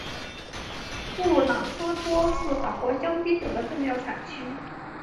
布朗科托是法国香槟酒的重要产区。